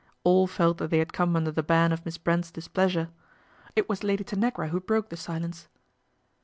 All felt that they had come under the ban of Miss Brent's displeasure. It was Lady Tanagra who broke the silence.